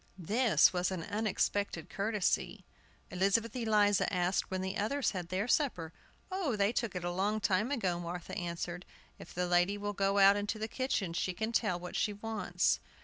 This was an unexpected courtesy. Elizabeth Eliza asked when the others had their supper. "Oh, they took it a long time ago," Martha answered. "If the lady will go out into the kitchen she can tell what she wants."